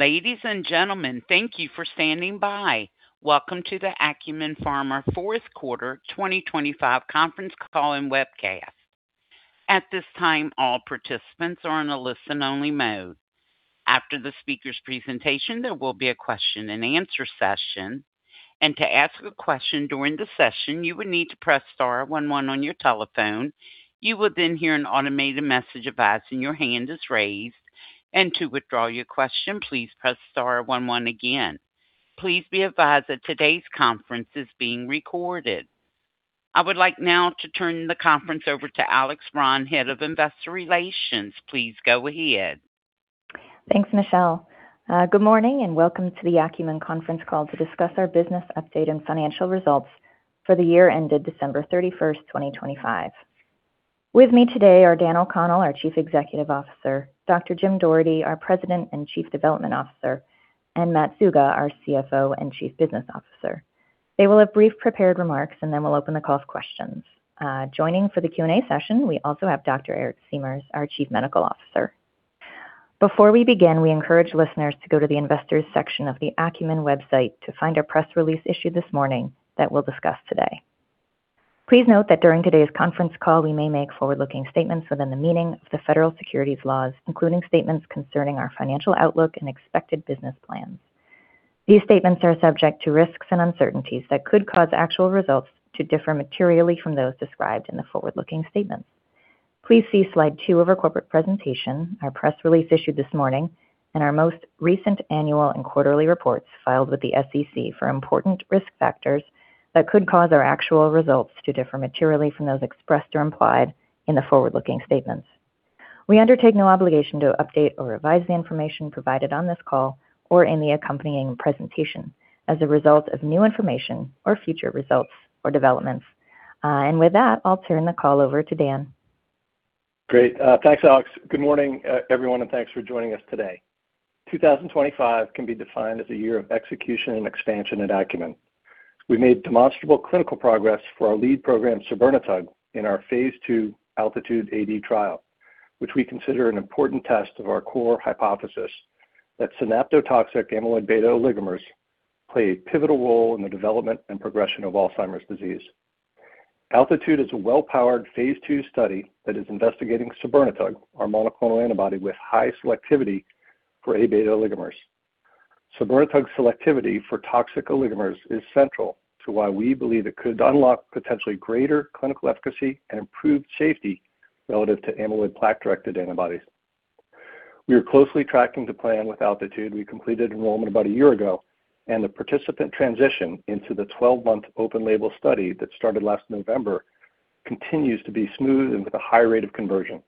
Ladies and gentlemen, thank you for standing by. Welcome to the Acumen Pharmaceuticals Fourth Quarter 2025 conference call and webcast. At this time, all participants are in a listen-only mode. After the speaker's presentation, there will be a question and answer session. To ask a question during the session, you would need to press star one one on your telephone. You will then hear an automated message advising your hand is raised. To withdraw your question, please press star one one again. Please be advised that today's conference is being recorded. I would like now to turn the conference over to Alex Braun, Head of Investor Relations. Please go ahead. Thanks, Michelle. Good morning and welcome to the Acumen conference call to discuss our business update and financial results for the year ended December 31, 2025. With me today are Daniel O'Connell, our Chief Executive Officer, Dr. Jim Doherty, our President and Chief Development Officer, and Matt Zuga, our CFO and Chief Business Officer. They will have brief prepared remarks, and then we'll open the call for questions. Joining for the Q&A session, we also have Dr. Eric Siemers, our Chief Medical Officer. Before we begin, we encourage listeners to go to the Investors section of the Acumen website to find our press release issued this morning that we'll discuss today. Please note that during today's conference call, we may make forward-looking statements within the meaning of the federal securities laws, including statements concerning our financial outlook and expected business plans. These statements are subject to risks and uncertainties that could cause actual results to differ materially from those described in the forward-looking statements. Please see slide two of our corporate presentation, our press release issued this morning, and our most recent annual and quarterly reports filed with the SEC for important risk factors that could cause our actual results to differ materially from those expressed or implied in the forward-looking statements. We undertake no obligation to update or revise the information provided on this call or in the accompanying presentation as a result of new information or future results or developments. With that, I'll turn the call over to Dan. Great. Thanks, Alex. Good morning, everyone, and thanks for joining us today. 2025 can be defined as a year of execution and expansion at Acumen. We made demonstrable clinical progress for our lead program, sabirnetug, in our phase II ALTITUDE-AD trial, which we consider an important test of our core hypothesis that synaptotoxic amyloid beta oligomers play a pivotal role in the development and progression of Alzheimer's disease. ALTITUDE-AD is a well-powered phase II study that is investigating sabirnetug, our monoclonal antibody with high selectivity for Aβ oligomers. Sabirnetug's selectivity for toxic oligomers is central to why we believe it could unlock potentially greater clinical efficacy and improved safety relative to amyloid plaque-directed antibodies. We are closely tracking to plan with ALTITUDE-AD. We completed enrollment about a year ago, and the participant transition into the 12-month open label study that started last November continues to be smooth and with a high rate of conversion.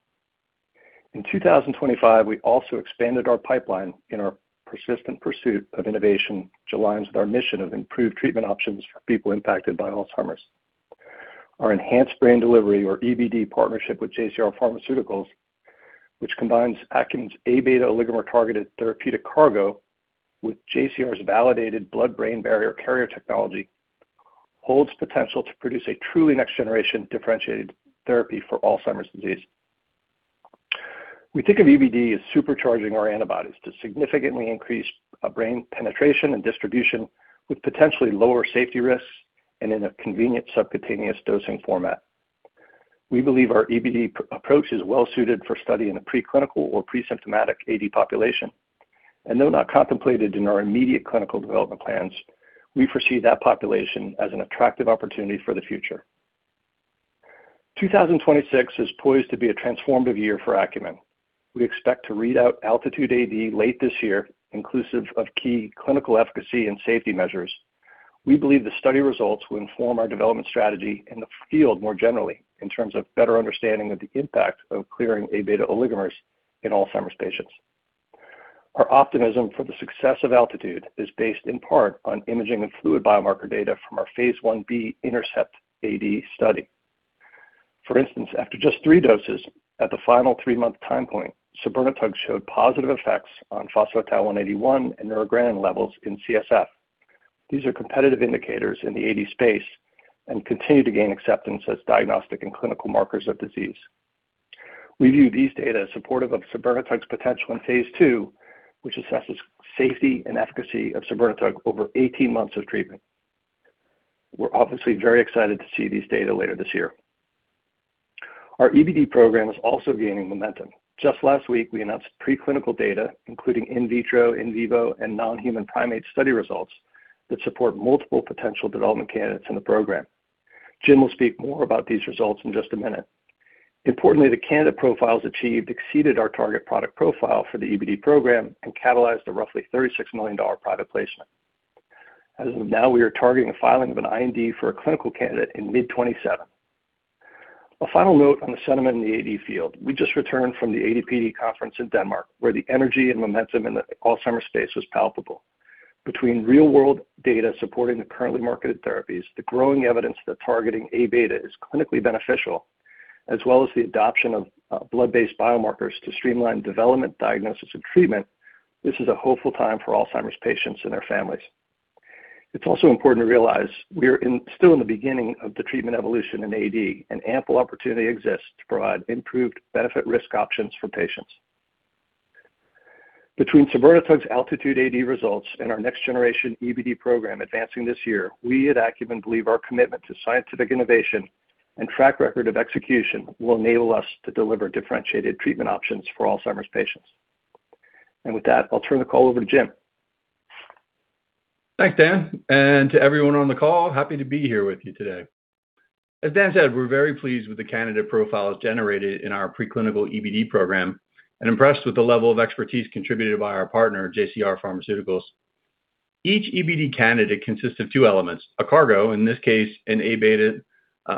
In 2025, we also expanded our pipeline in our persistent pursuit of innovation, which aligns with our mission of improved treatment options for people impacted by Alzheimer's. Our enhanced brain delivery or EBD partnership with JCR Pharmaceuticals, which combines Acumen's Aβ oligomer-targeted therapeutic cargo with JCR's validated blood-brain barrier carrier technology, holds potential to produce a truly next-generation differentiated therapy for Alzheimer's disease. We think of EBD as supercharging our antibodies to significantly increase brain penetration and distribution with potentially lower safety risks and in a convenient subcutaneous dosing format. We believe our EBD approach is well suited for study in a preclinical or presymptomatic AD population. Though not contemplated in our immediate clinical development plans, we foresee that population as an attractive opportunity for the future. 2026 is poised to be a transformative year for Acumen. We expect to read out ALTITUDE-AD late this year, inclusive of key clinical efficacy and safety measures. We believe the study results will inform our development strategy in the field more generally in terms of better understanding of the impact of clearing Aβ oligomers in Alzheimer's patients. Our optimism for the success of ALTITUDE is based in part on imaging and fluid biomarker data from our phase I-B INTERCEPT-AD study. For instance, after just three doses at the final three-month time point, sabirnetug showed positive effects on phospho-tau-181 and neurogranin levels in CSF. These are competitive indicators in the AD space and continue to gain acceptance as diagnostic and clinical markers of disease. We view these data as supportive of sabirnetug's potential in phase II, which assesses safety and efficacy of sabirnetug over 18 months of treatment. We're obviously very excited to see these data later this year. Our EBD program is also gaining momentum. Just last week, we announced preclinical data, including in vitro, in vivo, and non-human primate study results that support multiple potential development candidates in the program. Jim will speak more about these results in just a minute. Importantly, the candidate profiles achieved exceeded our target product profile for the EBD program and catalyzed a roughly $36 million private placement. As of now, we are targeting a filing of an IND for a clinical candidate in mid-2027. A final note on the sentiment in the AD field. We just returned from the AD/PD Conference in Denmark, where the energy and momentum in the Alzheimer's space was palpable. Between real-world data supporting the currently marketed therapies, the growing evidence that targeting Aβ is clinically beneficial, as well as the adoption of, blood-based biomarkers to streamline development, diagnosis, and treatment, this is a hopeful time for Alzheimer's patients and their families. It's also important to realize we're still in the beginning of the treatment evolution in AD, and ample opportunity exists to provide improved benefit-risk options for patients. Between sabirnetug's ALTITUDE-AD results and our next generation EBD program advancing this year, we at Acumen believe our commitment to scientific innovation and track record of execution will enable us to deliver differentiated treatment options for Alzheimer's patients. With that, I'll turn the call over to Jim. Thanks, Dan, and to everyone on the call, happy to be here with you today. As Dan said, we're very pleased with the candidate profiles generated in our preclinical EBD program and impressed with the level of expertise contributed by our partner, JCR Pharmaceuticals. Each EBD candidate consists of two elements, a cargo, in this case, an Aβ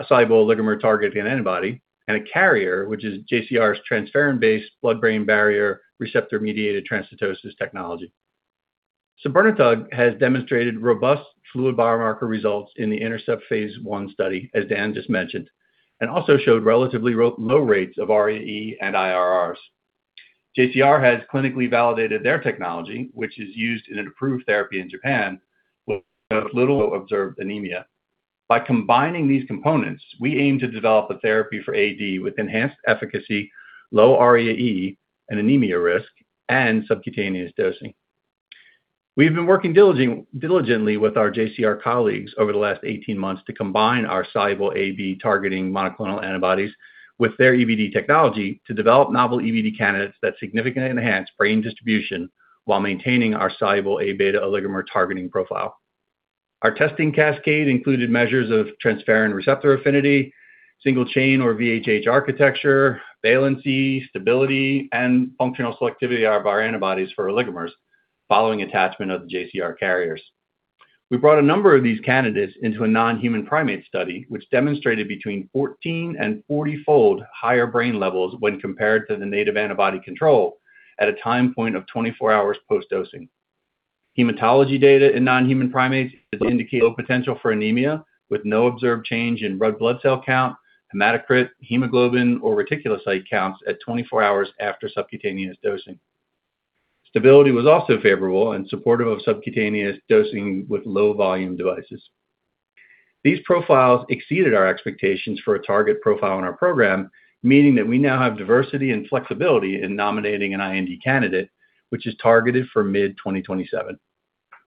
soluble oligomer targeting antibody, and a carrier, which is JCR's transferrin-based blood-brain barrier receptor-mediated transcytosis technology. Sabirnetug has demonstrated robust fluid biomarker results in the INTERCEPT phase I study, as Dan just mentioned, and also showed relatively low rates of ARIA-E and IRRs. JCR has clinically validated their technology, which is used in an approved therapy in Japan with little observed anemia. By combining these components, we aim to develop a therapy for AD with enhanced efficacy, low ARIA-E and anemia risk, and subcutaneous dosing. We've been working diligently with our JCR colleagues over the last 18 months to combine our soluble Aβ targeting monoclonal antibodies with their EBD technology to develop novel EBD candidates that significantly enhance brain distribution while maintaining our soluble Aβ oligomer targeting profile. Our testing cascade included measures of transferrin receptor affinity, single chain or VHH architecture, valency, stability, and functional selectivity of our antibodies for oligomers following attachment of the JCR carriers. We brought a number of these candidates into a non-human primate study, which demonstrated between 14 and 40-fold higher brain levels when compared to the native antibody control at a time point of 24 hours post-dosing. Hematology data in non-human primates did indicate potential for anemia, with no observed change in red blood cell count, hematocrit, hemoglobin, or reticulocyte counts at 24 hours after subcutaneous dosing. Stability was also favorable and supportive of subcutaneous dosing with low volume devices. These profiles exceeded our expectations for a target profile in our program, meaning that we now have diversity and flexibility in nominating an IND candidate, which is targeted for mid-2027.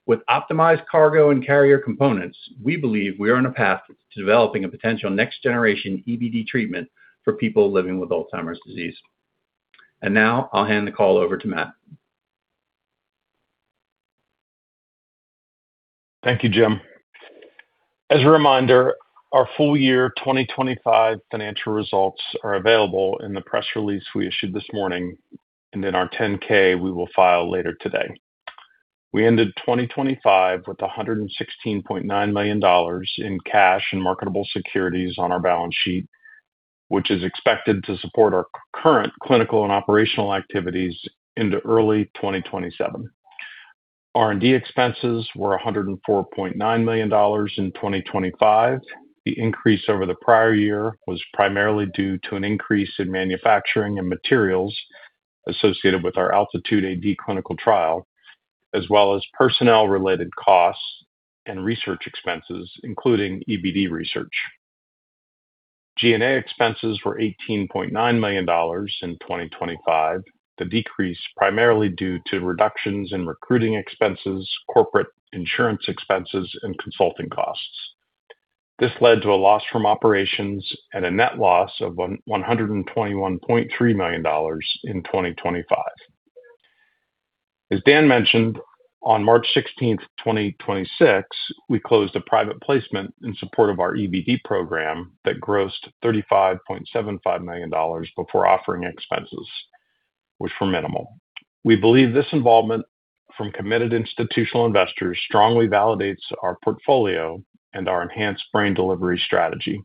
With optimized cargo and carrier components, we believe we are on a path to developing a potential next generation EBD treatment for people living with Alzheimer's disease. Now I'll hand the call over to Matt. Thank you, Jim. As a reminder, our full year 2025 financial results are available in the press release we issued this morning and in our 10-K we will file later today. We ended 2025 with $116.9 million in cash and marketable securities on our balance sheet, which is expected to support our current clinical and operational activities into early 2027. R&D expenses were $104.9 million in 2025. The increase over the prior year was primarily due to an increase in manufacturing and materials associated with our ALTITUDE-AD clinical trial, as well as personnel-related costs and research expenses, including EBD research. G&A expenses were $18.9 million in 2025. The decrease primarily due to reductions in recruiting expenses, corporate insurance expenses, and consulting costs. This led to a loss from operations and a net loss of $121.3 million in 2025. As Dan mentioned, on March 16th, 2026, we closed a private placement in support of our EBD program that grossed $35.75 million before offering expenses, which were minimal. We believe this involvement from committed institutional investors strongly validates our portfolio and our enhanced brain delivery strategy.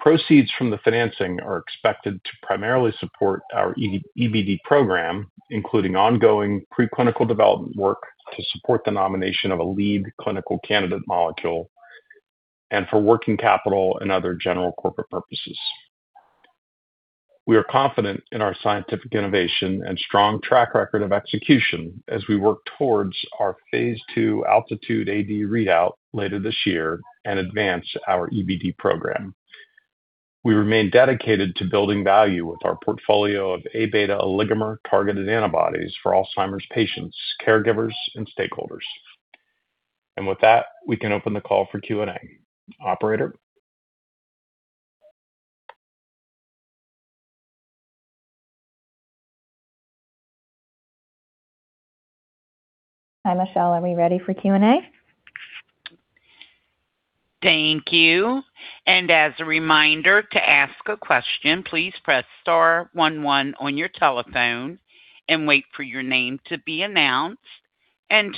Proceeds from the financing are expected to primarily support our EBD program, including ongoing preclinical development work to support the nomination of a lead clinical candidate molecule and for working capital and other general corporate purposes. We are confident in our scientific innovation and strong track record of execution as we work towards our phase II ALTITUDE-AD readout later this year and advance our EBD program. We remain dedicated to building value with our portfolio of Aβ oligomer-targeted antibodies for Alzheimer's patients, caregivers, and stakeholders. With that, we can open the call for Q&A. Operator? Hi, Michelle. Are we ready for Q&A? Thank you. As a reminder to ask a question, please press star one one on your telephone and wait for your name to be announced.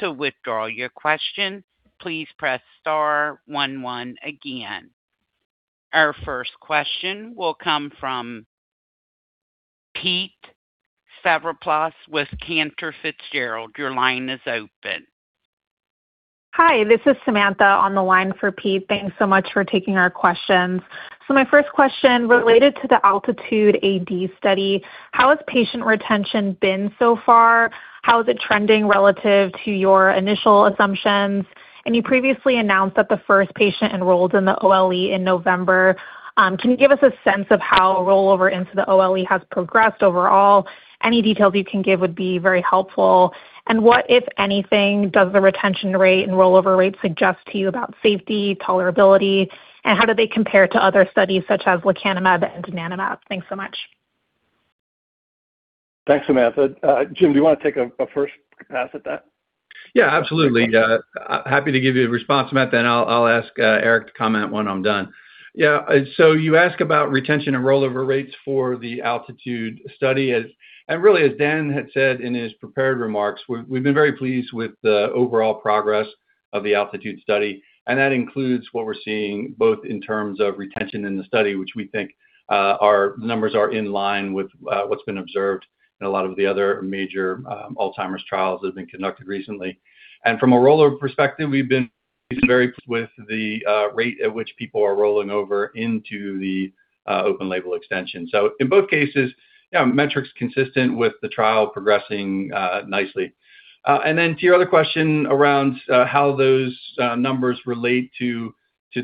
To withdraw your question, please press star one one again. Our first question will come from Pete Stavropoulos with Cantor Fitzgerald, your line is open. Hi, this is Samantha on the line for Pete. Thanks so much for taking our questions. My first question related to the ALTITUDE-AD study, how has patient retention been so far? How is it trending relative to your initial assumptions? You previously announced that the first patient enrolled in the OLE in November. Can you give us a sense of how rollover into the OLE has progressed overall? Any details you can give would be very helpful. What, if anything, does the retention rate and rollover rate suggest to you about safety, tolerability, and how do they compare to other studies such as lecanemab and donanemab? Thanks so much. Thanks, Samantha. Jim, do you wanna take a first pass at that? Yeah, absolutely. Happy to give you a response, Samantha, and I'll ask Eric to comment when I'm done. Yeah. You ask about retention and rollover rates for the altitude study. Really, as Dan had said in his prepared remarks, we've been very pleased with the overall progress of the altitude study, and that includes what we're seeing both in terms of retention in the study, which we think our numbers are in line with what's been observed in a lot of the other major Alzheimer's trials that have been conducted recently. From a rollover perspective, we've been very pleased with the rate at which people are rolling over into the open label extension. In both cases, yeah, metrics consistent with the trial progressing nicely. Then to your other question around how those numbers relate to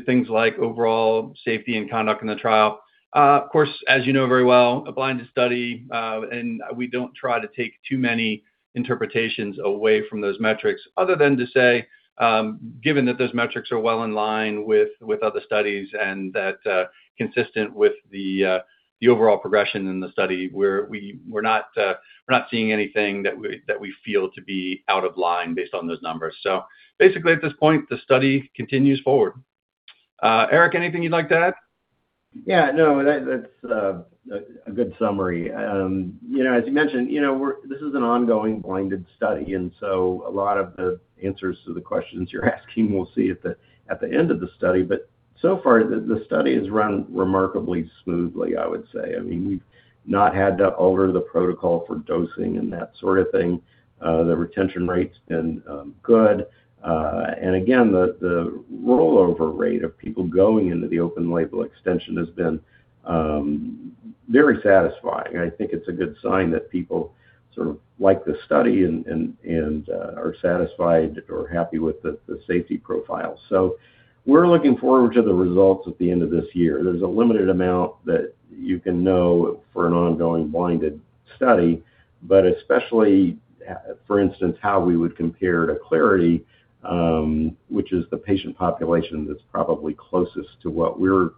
things like overall safety and conduct in the trial. Of course, as you know very well, a blinded study, and we don't try to take too many interpretations away from those metrics other than to say, given that those metrics are well in line with other studies and that consistent with the overall progression in the study, we're not seeing anything that we feel to be out of line based on those numbers. Basically, at this point, the study continues forward. Eric, anything you'd like to add? Yeah, no, that's a good summary. You know, as you mentioned, you know, this is an ongoing blinded study, and so a lot of the answers to the questions you're asking we'll see at the end of the study. So far, the study has run remarkably smoothly, I would say. I mean, we've not had to alter the protocol for dosing and that sort of thing. The retention rate's been good. Again, the rollover rate of people going into the open label extension has been very satisfying. I think it's a good sign that people sort of like the study and are satisfied or happy with the safety profile. We're looking forward to the results at the end of this year. There's a limited amount that you can know for an ongoing blinded study, but especially, for instance, how we would compare to Clarity, which is the patient population that's probably closest to what we're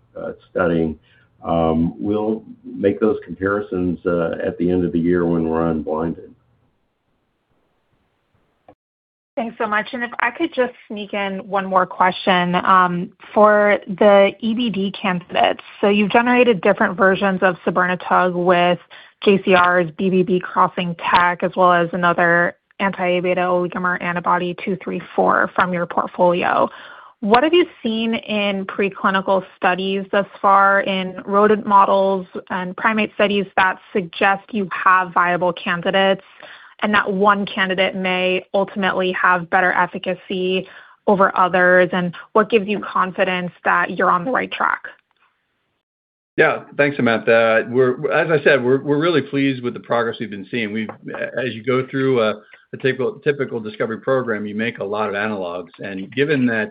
studying. We'll make those comparisons, at the end of the year when we're unblinded. Thanks so much. If I could just sneak in one more question. For the EBD candidates, so you've generated different versions of sabirnetug with JCR's BBB crossing tech as well as another anti-amyloid beta oligomer antibody ACU234 from your portfolio. What have you seen in preclinical studies thus far in rodent models and primate studies that suggest you have viable candidates and that one candidate may ultimately have better efficacy over others? What gives you confidence that you're on the right track? Yeah. Thanks, Samantha. As I said, we're really pleased with the progress we've been seeing. As you go through a typical discovery program, you make a lot of analogs. Given that,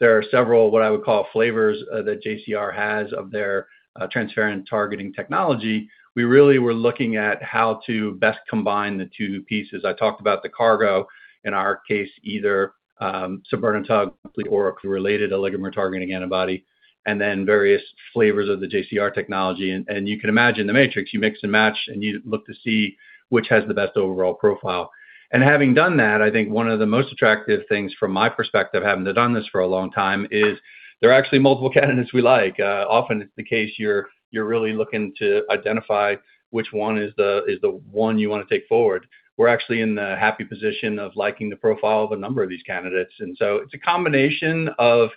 there are several, what I would call flavors, that JCR has of their transporter targeting technology, we really were looking at how to best combine the two pieces. I talked about the cargo in our case, either sabirnetug or a related oligomer targeting antibody, and then various flavors of the JCR technology. You can imagine the matrix, you mix and match, and you look to see which has the best overall profile. Having done that, I think one of the most attractive things from my perspective, having done this for a long time, is there are actually multiple candidates we like. Often it's the case you're really looking to identify which one is the one you wanna take forward. We're actually in the happy position of liking the profile of a number of these candidates. It's a combination of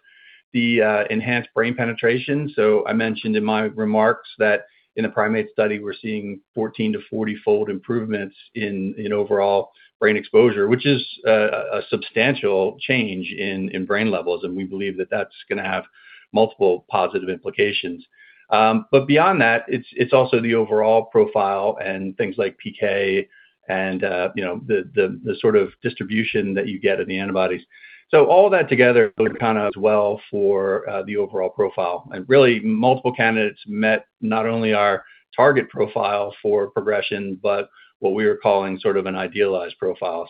the enhanced brain penetration. I mentioned in my remarks that in a primate study, we're seeing 14- to 40-fold improvements in overall brain exposure, which is a substantial change in brain levels. We believe that that's gonna have multiple positive implications. Beyond that, it's also the overall profile and things like PK and you know, the sort of distribution that you get in the antibodies. All that together kind of as well for the overall profile. Really, multiple candidates met not only our target profile for progression, but what we were calling sort of an idealized profile.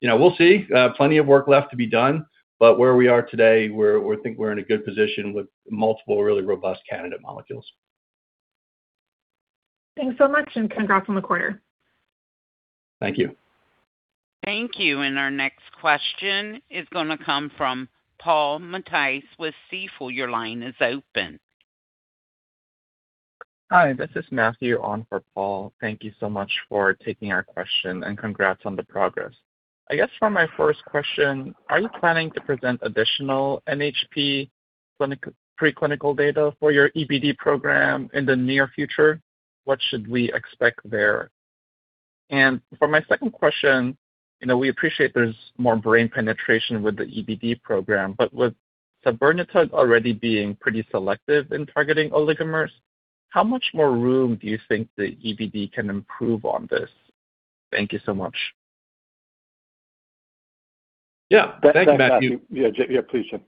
You know, we'll see plenty of work left to be done. Where we are today, we think we're in a good position with multiple really robust candidate molecules. Thanks so much, and congrats on the quarter. Thank you. Thank you. Our next question is gonna come from Paul Matteis with Stifel. Your line is open. Hi, this is Matthew on for Paul. Thank you so much for taking our question, and congrats on the progress. I guess for my first question, are you planning to present additional NHP? Clinical and preclinical data for your EBD program in the near future, what should we expect there? For my second question, you know, we appreciate there's more brain penetration with the EBD program, but with sabirnetug already being pretty selective in targeting oligomers, how much more room do you think the EBD can improve on this? Thank you so much. Yeah. Thank you, Matthew. Yeah, please, Jim.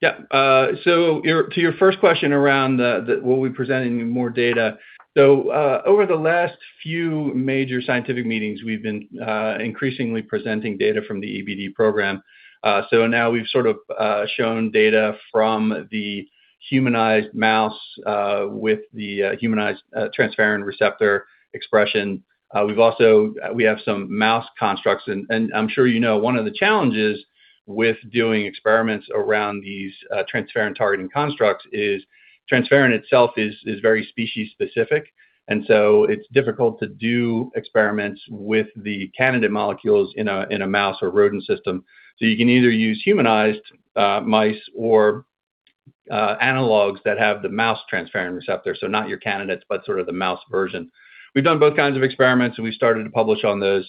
To your first question around whether we'll be presenting more data. Over the last few major scientific meetings, we've been increasingly presenting data from the EBD program. Now we've sort of shown data from the humanized mouse with the humanized transferrin receptor expression. We have some mouse constructs and I'm sure you know, one of the challenges with doing experiments around these transferrin targeting constructs is transferrin itself is very species specific. It's difficult to do experiments with the candidate molecules in a mouse or rodent system. You can either use humanized mice or analogs that have the mouse transferrin receptor. Not your candidates, but sort of the mouse version. We've done both kinds of experiments, and we started to publish on those.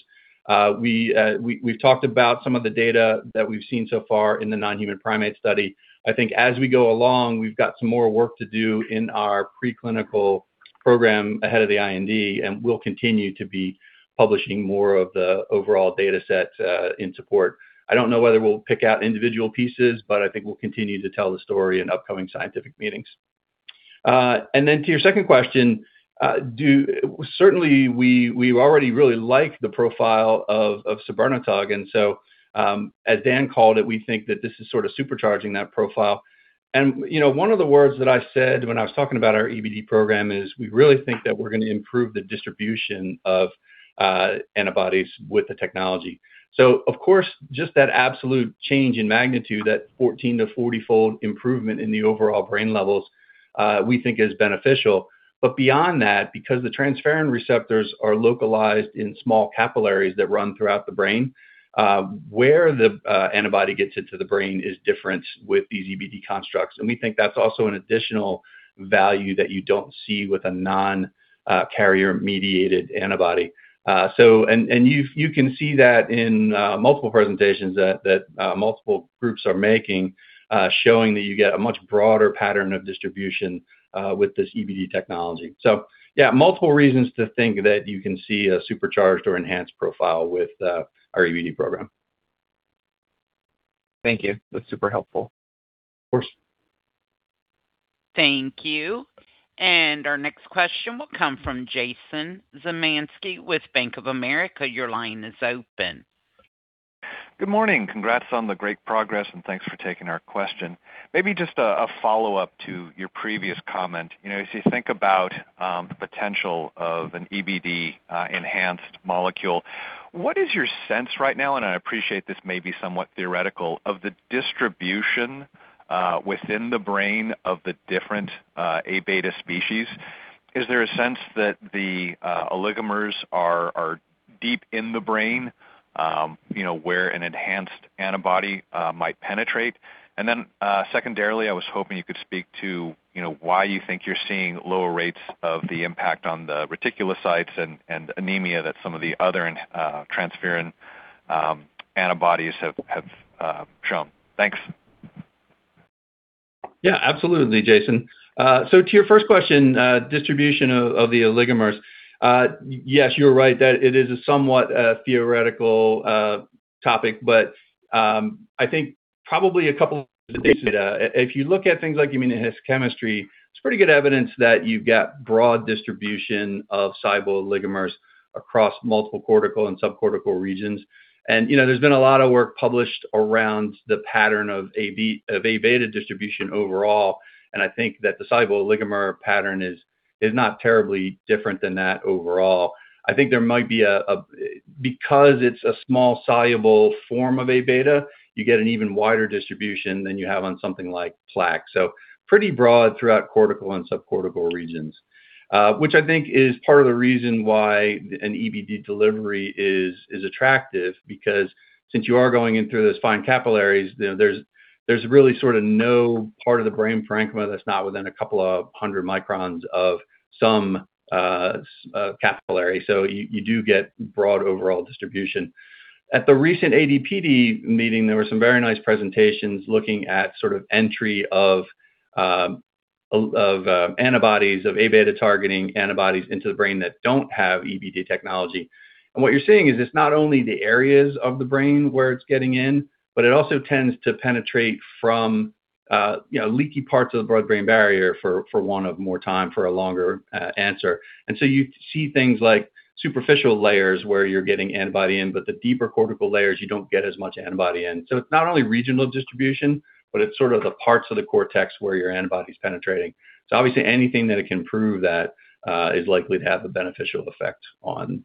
We've talked about some of the data that we've seen so far in the non-human primate study. I think as we go along, we've got some more work to do in our preclinical program ahead of the IND, and we'll continue to be publishing more of the overall data set in support. I don't know whether we'll pick out individual pieces, but I think we'll continue to tell the story in upcoming scientific meetings. Then to your second question, certainly we already really like the profile of sabirnetug. As Dan called it, we think that this is sort of supercharging that profile. You know, one of the words that I said when I was talking about our EBD program is we really think that we're gonna improve the distribution of antibodies with the technology. Of course, just that absolute change in magnitude, that 14-fold to 40-fold improvement in the overall brain levels, we think is beneficial. But beyond that, because the transferrin receptors are localized in small capillaries that run throughout the brain, where the antibody gets into the brain is different with these EBD constructs. We think that's also an additional value that you don't see with a non carrier-mediated antibody. You can see that in multiple presentations that multiple groups are making, showing that you get a much broader pattern of distribution with this EBD technology. Yeah, multiple reasons to think that you can see a supercharged or enhanced profile with our EBD program. Thank you. That's super helpful. Of course. Thank you. Our next question will come from Jason Zemansky with Bank of America. Your line is open. Good morning. Congrats on the great progress, and thanks for taking our question. Maybe just a follow-up to your previous comment. You know, as you think about potential of an EBD enhanced molecule, what is your sense right now, and I appreciate this may be somewhat theoretical, of the distribution within the brain of the different Aβ species? Is there a sense that the oligomers are deep in the brain, you know, where an enhanced antibody might penetrate? Secondarily, I was hoping you could speak to, you know, why you think you're seeing lower rates of the impact on the reticulocytes and anemia that some of the other transferrin antibodies have shown. Thanks. Yeah, absolutely, Jason. To your first question, distribution of the oligomers. Yes, you're right that it is a somewhat theoretical topic, but I think probably a couple of days' data. If you look at things like immunohistochemistry, it's pretty good evidence that you've got broad distribution of soluble oligomers across multiple cortical and subcortical regions. You know, there's been a lot of work published around the pattern of Aβ distribution overall, and I think that the soluble oligomer pattern is not terribly different than that, overall. I think there might be, because it's a small soluble form of Aβ, you get an even wider distribution than you have on something like plaque. Pretty broad throughout cortical and subcortical regions. Which I think is part of the reason why an EBD delivery is attractive because since you are going in through those fine capillaries, then there's really sort of no part of the brain parenchyma that's not within a couple of hundred microns of some capillary. You do get broad overall distribution. At the recent ADPD meeting, there were some very nice presentations looking at sort of entry of antibodies of Aβ targeting antibodies into the brain that don't have EBD technology. What you're seeing is it's not only the areas of the brain where it's getting in, but it also tends to penetrate from you know leaky parts of the blood-brain barrier for want of more time for a longer answer. You see things like superficial layers where you're getting antibody in, but the deeper cortical layers, you don't get as much antibody in. It's not only regional distribution, but it's sort of the parts of the cortex where your antibody's penetrating. Obviously, anything that it can improve that is likely to have a beneficial effect on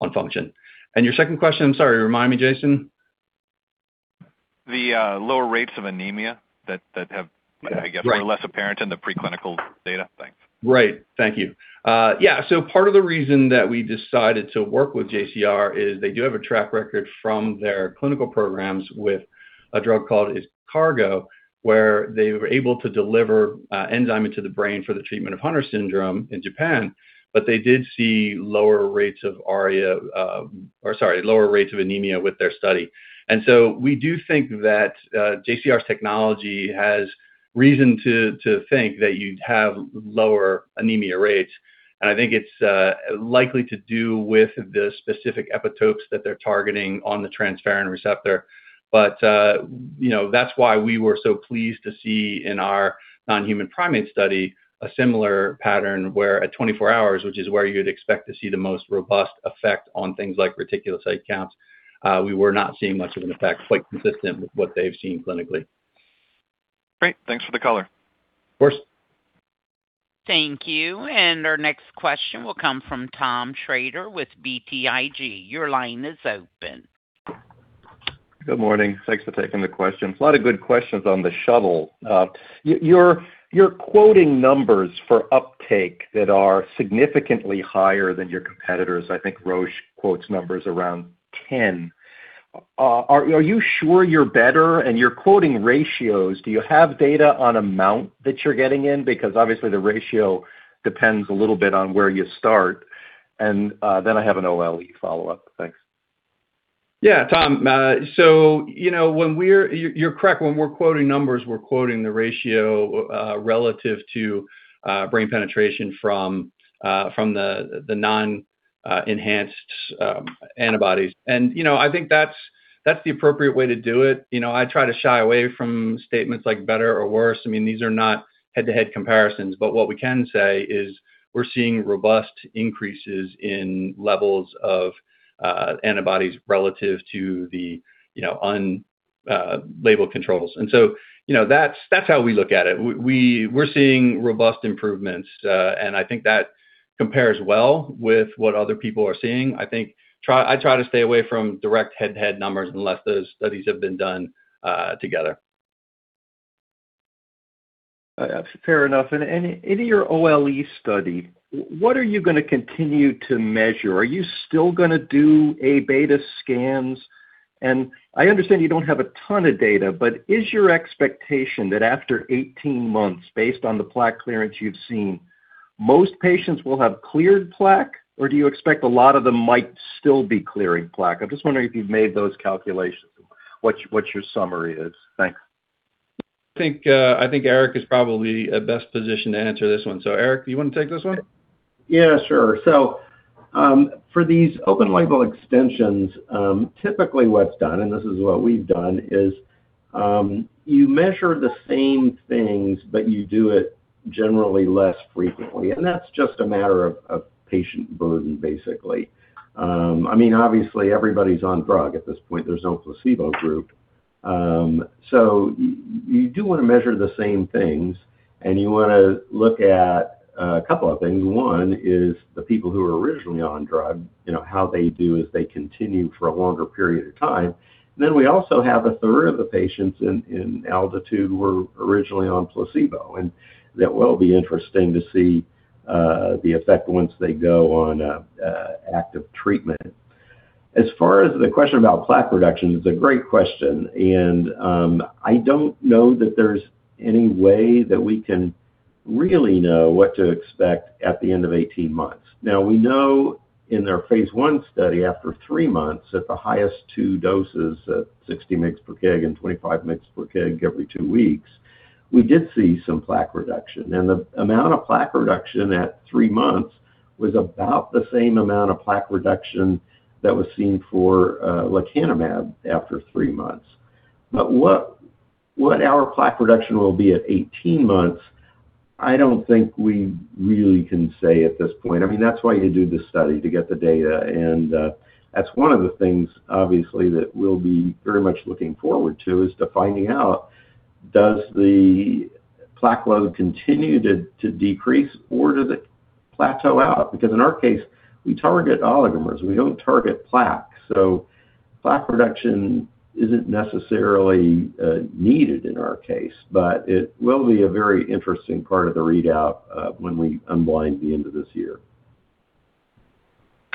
on function. Your second question, I'm sorry, remind me, Jason. The lower rates of anemia that have... I guess we're less apparent in the preclinical data. Thanks. Right. Thank you. Part of the reason that we decided to work with JCR is they do have a track record from their clinical programs with a drug called IZCARGO, where they were able to deliver enzyme into the brain for the treatment of Hunter syndrome in Japan. They did see lower rates of ARIA, or sorry, lower rates of anemia with their study. We do think that JCR's technology has reason to think that you'd have lower anemia rates. I think it's likely to do with the specific epitopes that they're targeting on the transferrin receptor. You know, that's why we were so pleased to see in our non-human primate study a similar pattern where at 24 hours, which is where you'd expect to see the most robust effect on things like reticulocyte counts, we were not seeing much of an effect, quite consistent with what they've seen clinically. Great. Thanks for the color. Of course. Thank you. Our next question will come from Thomas Shrader with BTIG. Your line is open. Good morning. Thanks for taking the questions. A lot of good questions on the shuttle. You're quoting numbers for uptake that are significantly higher than your competitors. I think Roche quotes numbers around 10. Are you sure you're better? You're quoting ratios. Do you have data on amount that you're getting in? Because obviously the ratio depends a little bit on where you start. Then I have an OLE follow-up. Thanks. Yeah, Tom. So you know, you're correct. When we're quoting numbers, we're quoting the ratio relative to brain penetration from the non-enhanced antibodies. You know, I think that's the appropriate way to do it. You know, I try to shy away from statements like better or worse. I mean, these are not head-to-head comparisons. What we can say is we're seeing robust increases in levels of antibodies relative to the unlabeled controls. You know, that's how we look at it. We're seeing robust improvements, and I think that compares well with what other people are seeing. I try to stay away from direct head-to-head numbers unless those studies have been done together. Fair enough. In your OLE study, what are you gonna continue to measure? Are you still gonna do Aβ scans? I understand you don't have a ton of data, but is your expectation that after 18 months, based on the plaque clearance you've seen, most patients will have cleared plaque, or do you expect a lot of them might still be clearing plaque? I'm just wondering if you've made those calculations, what's your summary is. Thanks. I think Eric is probably best positioned to answer this one. Eric, do you wanna take this one? Yeah, sure. For these open label extensions, typically what's done, and this is what we've done, is you measure the same things, but you do it generally less frequently, and that's just a matter of patient burden, basically. I mean, obviously everybody's on drug at this point. There's no placebo group. You do wanna measure the same things, and you wanna look at a couple of things. One is the people who are originally on drug, you know, how they do as they continue for a longer period of time. We also have a third of the patients in ALTITUDE who were originally on placebo, and that will be interesting to see the effect once they go on active treatment. As far as the question about plaque reduction, it's a great question. I don't know that there's any way that we can really know what to expect at the end of 18 months. Now, we know in our phase I study, after three months at the highest two doses at 60 mg per kg and 25 mg per kg every two weeks, we did see some plaque reduction. The amount of plaque reduction at three months was about the same amount of plaque reduction that was seen for lecanemab after three months. What our plaque reduction will be at 18 months, I don't think we really can say at this point. I mean, that's why you do this study, to get the data. That's one of the things, obviously, that we'll be very much looking forward to, is to finding out does the plaque load continue to decrease, or does it plateau out? Because in our case, we target oligomers. We don't target plaque. Plaque reduction isn't necessarily needed in our case. It will be a very interesting part of the readout when we unblind the end of this year.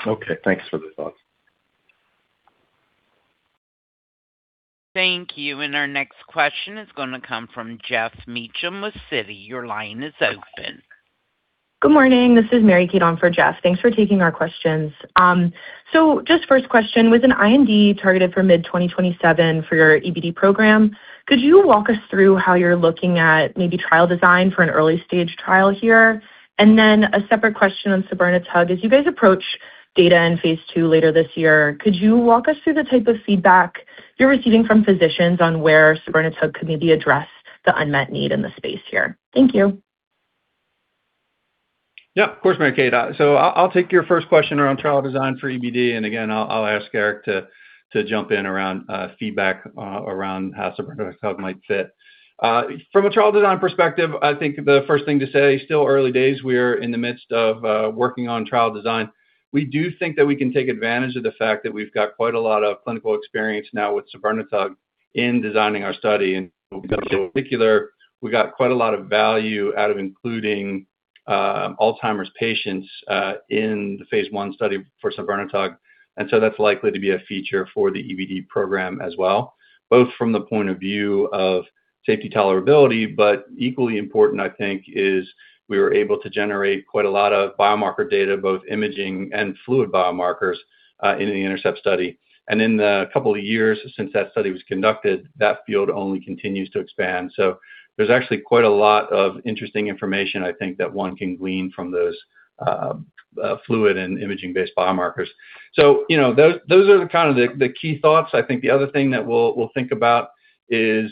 Okay. Thanks for the thoughts. Thank you. Our next question is gonna come from Geoff Meacham with Citi. Your line is open. Good morning. This is Mary Kate on for Geoff. Thanks for taking our questions. So just first question, with an IND targeted for mid-2027 for your EBD program, could you walk us through how you're looking at maybe trial design for an early stage trial here? And then a separate question on sabirnetug. As you guys approach data in phase II later this year, could you walk us through the type of feedback you're receiving from physicians on where sabirnetug could maybe address the unmet need in the space here? Thank you. Yeah, of course, Mary Kate. I'll take your first question around trial design for EBD, and again, I'll ask Eric to jump in around feedback around how sabirnetug might fit. From a trial design perspective, I think the first thing to say, still early days. We're in the midst of working on trial design. We do think that we can take advantage of the fact that we've got quite a lot of clinical experience now with sabirnetug in designing our study. In particular, we got quite a lot of value out of including Alzheimer's patients in the phase I study for sabirnetug. That's likely to be a feature for the EBD program as well, both from the point of view of safety tolerability. Equally important, I think, is we were able to generate quite a lot of biomarker data, both imaging and fluid biomarkers, in the INTERCEPT study. In the couple of years since that study was conducted, that field only continues to expand. There's actually quite a lot of interesting information I think that one can glean from those, fluid and imaging-based biomarkers. You know, those are the kind of the key thoughts. I think the other thing that we'll think about is,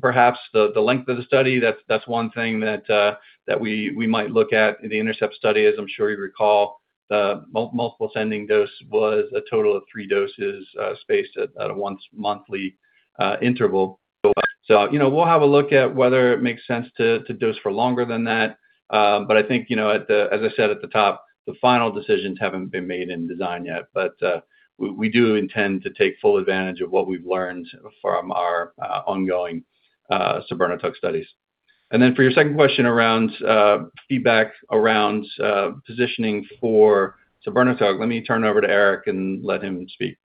perhaps the length of the study. That's one thing that we might look at. In the INTERCEPT study, as I'm sure you recall, the multiple ascending dose was a total of three doses, spaced at a once monthly interval. You know, we'll have a look at whether it makes sense to dose for longer than that. But I think, you know, as I said at the top, the final decisions haven't been made in design yet, but we do intend to take full advantage of what we've learned from our ongoing sabirnetug studies. For your second question around feedback around positioning for sabirnetug, let me turn it over to Eric and let him speak.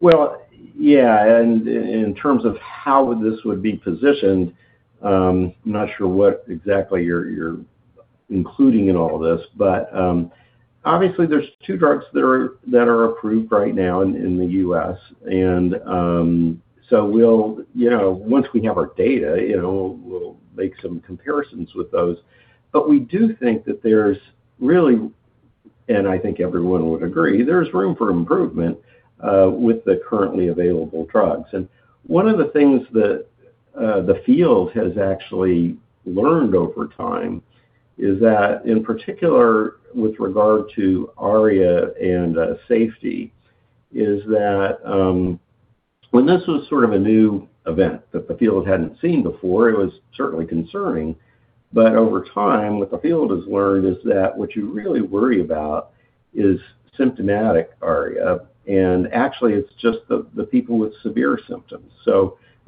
Well, yeah, in terms of how this would be positioned. I'm not sure what exactly you're including in all of this, but obviously there's two drugs that are approved right now in the U.S. We'll, you know, once we have our data, you know, we'll make some comparisons with those. We do think that there's really, and I think everyone would agree, there's room for improvement with the currently available drugs. One of the things that the field has actually learned over time is that in particular with regard to ARIA and safety, is that when this was sort of a new event that the field hadn't seen before, it was certainly concerning. Over time, what the field has learned is that what you really worry about is symptomatic ARIA, and actually it's just the people with severe symptoms.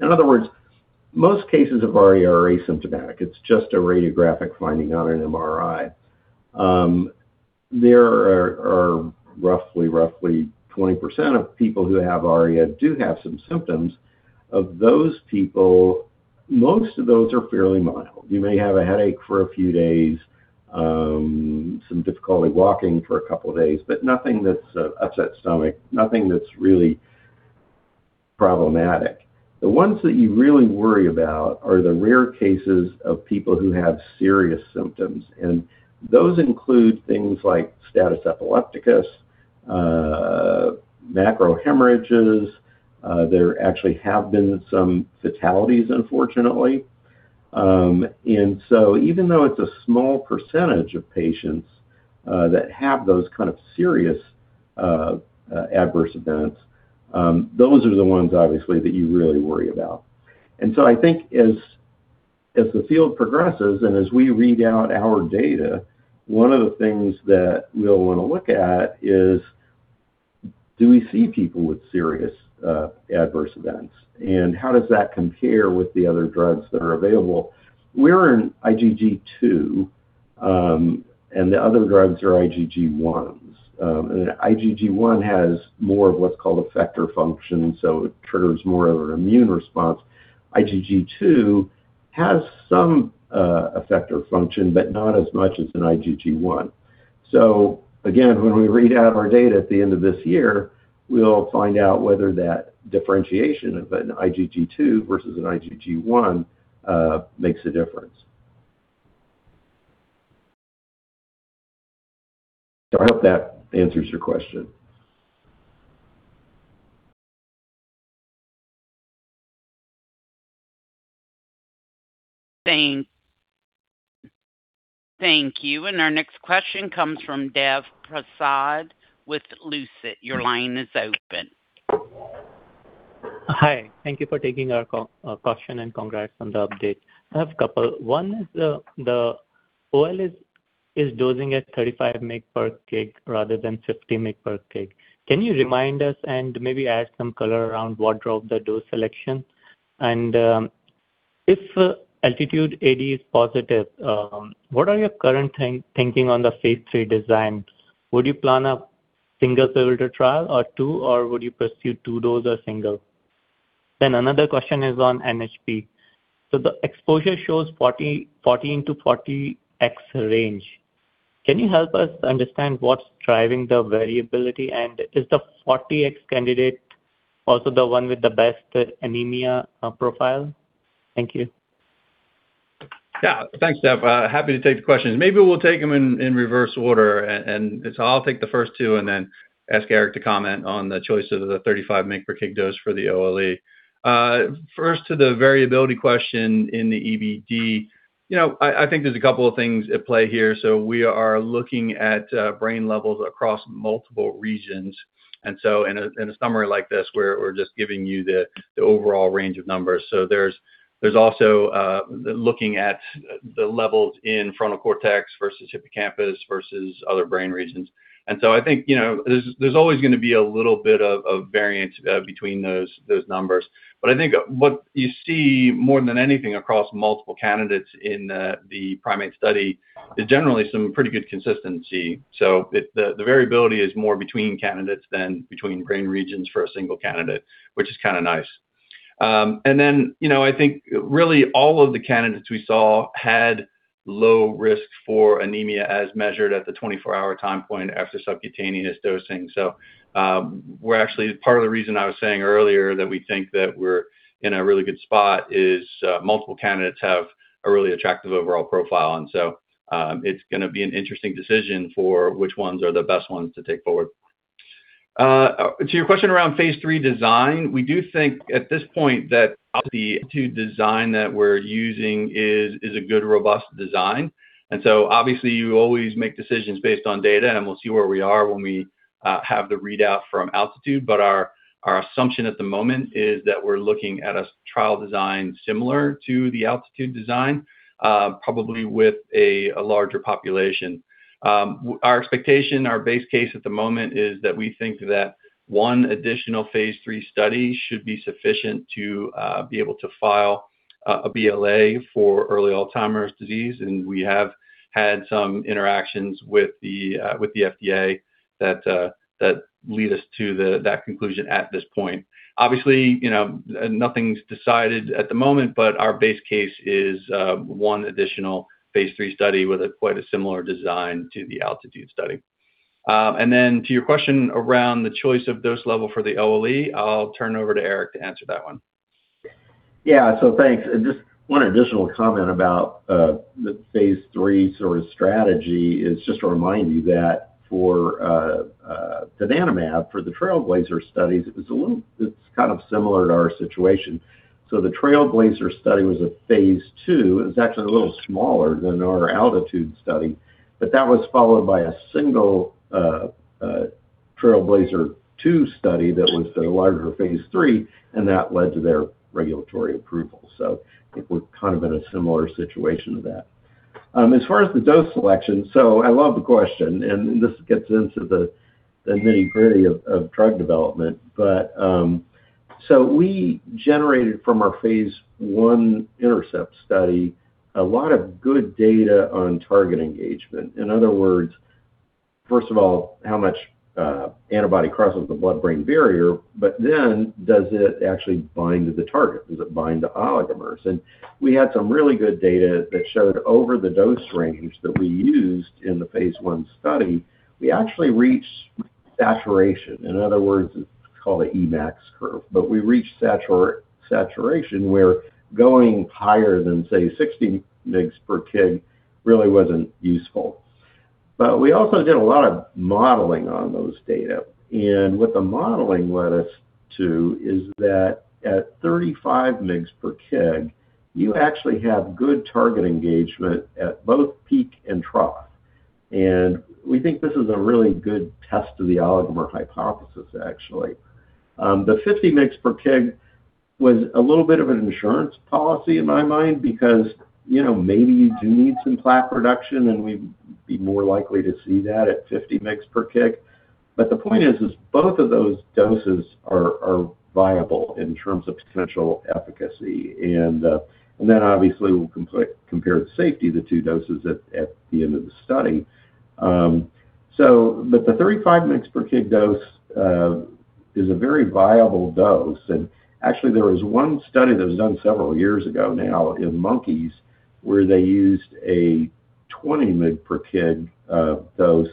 In other words, most cases of ARIA are asymptomatic. It's just a radiographic finding on an MRI. There are roughly 20% of people who have ARIA do have some symptoms. Of those people, most of those are fairly mild. You may have a headache for a few days, some difficulty walking for a couple of days, but nothing that's upset stomach, nothing that's really problematic. The ones that you really worry about are the rare cases of people who have serious symptoms, and those include things like status epilepticus, macro hemorrhages. There actually have been some fatalities, unfortunately. Even though it's a small percentage of patients that have those kind of serious adverse events, those are the ones obviously that you really worry about. I think as the field progresses and as we read out our data, one of the things that we'll wanna look at is, do we see people with serious adverse events, and how does that compare with the other drugs that are available? We're an IgG2, and the other drugs are IgG1s. An IgG1 has more of what's called effector function, so it triggers more of an immune response. IgG2 has some effector function, but not as much as an IgG1. Again, when we read out our data at the end of this year, we'll find out whether that differentiation of an IgG2 versus an IgG1 makes a difference. I hope that answers your question. Thank you. Our next question comes from Dev Prasad with Lucid. Your line is open. Hi. Thank you for taking our call, question, and congrats on the update. I have a couple. One is the OLE is dosing at 35 mg per kg rather than 50 mg per kg. Can you remind us and maybe add some color around what drove the dose selection? If ALTITUDE-AD is positive, what are your current thinking on the phase III design? Would you plan a single dose or two, or would you pursue two dose or single? Another question is on NHP. The exposure shows 14x-40x range. Can you help us understand what's driving the variability? Is the 40x candidate also the one with the best anemia profile? Thank you. Yeah. Thanks, Dev. Happy to take the questions. Maybe we'll take them in reverse order, and so I'll take the first two and then ask Eric to comment on the choice of the 35 mg per kg dose for the OLE. First to the variability question in the EBD. You know, I think there's a couple of things at play here. We are looking at brain levels across multiple regions. In a summary like this, we're just giving you the overall range of numbers. There's also looking at the levels in frontal cortex versus hippocampus versus other brain regions. I think, you know, there's always gonna be a little bit of variance between those numbers. I think what you see more than anything across multiple candidates in the primate study is generally some pretty good consistency. It, the variability is more between candidates than between brain regions for a single candidate, which is kinda nice. You know, I think really all of the candidates we saw had low risk for anemia as measured at the 24-hour time point after subcutaneous dosing. Part of the reason I was saying earlier that we think that we're in a really good spot is multiple candidates have a really attractive overall profile. It's gonna be an interesting decision for which ones are the best ones to take forward. To your question around phase III design, we do think at this point that the ALTITUDE design that we're using is a good, robust design. Obviously you always make decisions based on data, and we'll see where we are when we have the readout from Altitude. But our assumption at the moment is that we're looking at a trial design similar to the Altitude design, probably with a larger population. Our expectation, our base case at the moment is that we think that one additional phase III study should be sufficient to be able to file a BLA for early Alzheimer's disease. We have had some interactions with the FDA that lead us to that conclusion at this point. Obviously, you know, nothing's decided at the moment, but our base case is one additional phase III study with quite a similar design to the Altitude study. To your question around the choice of dose level for the OLE, I'll turn over to Eric to answer that one. Yeah. Thanks. Just one additional comment about the phase III sort of strategy is just to remind you that for donanemab, for the TRAILBLAZER studies, it's kind of similar to our situation. The TRAILBLAZER study was a phase II. It's actually a little smaller than our ALTITUDE study. That was followed by a single TRAILBLAZER phase II study that was the larger phase III, and that led to their regulatory approval. I think we're kind of in a similar situation to that. As far as the dose selection, I love the question, and this gets into the nitty-gritty of drug development. We generated from our phase I INTERCEPT study a lot of good data on target engagement. In other words, first of all, how much antibody crosses the blood-brain barrier, but then does it actually bind to the target? Does it bind to oligomers? We had some really good data that showed over the dose range that we used in the phase I study, we actually reached saturation. In other words, it's called a Emax curve. We reached saturation, where going higher than, say, 60 mg per kg really wasn't useful. We also did a lot of modeling on those data. What the modeling led us to is that at 35 mg per kg, you actually have good target engagement at both peak and trough. We think this is a really good test of the oligomer hypothesis, actually. The 50 mg per kg was a little bit of an insurance policy in my mind because, you know, maybe you do need some plaque reduction, and we'd be more likely to see that at 50 mg per kg. The point is both of those doses are viable in terms of potential efficacy. Obviously we'll compare the safety of the two doses at the end of the study. The 35 mg per kg dose is a very viable dose. Actually there was one study that was done several years ago now in monkeys, where they used a 20 mg per kg dose.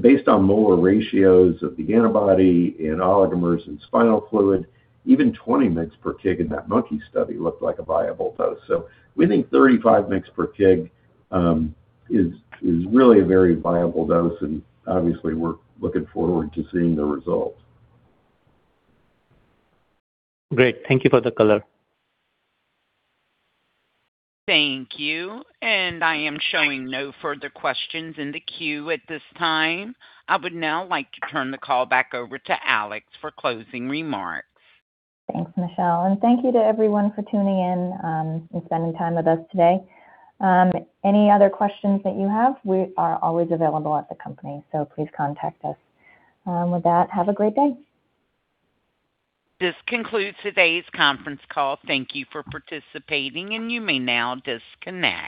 Based on molar ratios of the antibody in oligomers and spinal fluid, even 20 mg per kg in that monkey study looked like a viable dose. We think 35 mg per kg is really a very viable dose, and obviously we're looking forward to seeing the results. Great. Thank you for the color. Thank you. I am showing no further questions in the queue at this time. I would now like to turn the call back over to Alex for closing remarks. Thanks, Michelle, and thank you to everyone for tuning in and spending time with us today. Any other questions that you have, we are always available at the company, so please contact us. With that, have a great day. This concludes today's conference call. Thank you for participating, and you may now disconnect.